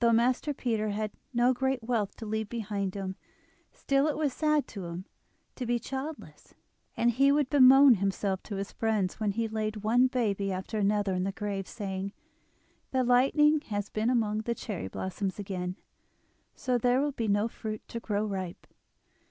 Though Master Peter had no great wealth to leave behind him, still it was sad to him to be childless; and he would bemoan himself to his friends, when he laid one baby after another in the grave, saying: "The lightning has been among the cherry blossoms again, so there will be no fruit to grow ripe."